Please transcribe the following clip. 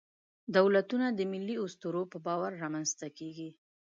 دولتونه د ملي اسطورو په باور رامنځ ته کېږي.